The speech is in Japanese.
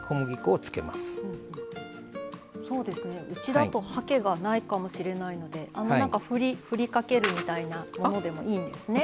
うちだと、はけがないかもしれないので振りかけるみたいなものでもいいんですね。